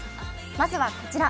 まずは、こちら。